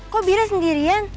kok bira sendirian